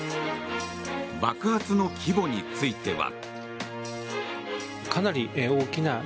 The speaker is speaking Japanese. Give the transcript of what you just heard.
爆発の規模については。